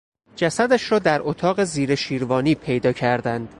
جسدش را در اتاق زیر شیروانی پیدا کردند.